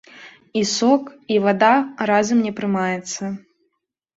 І сок, і вада разам не прымаецца.